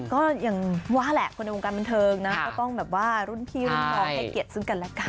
ก็อย่างว่าแหละคนในวงการบันเทิงนะก็ต้องแบบว่ารุ่นพี่รุ่นน้องให้เกียรติซึ่งกันแล้วกัน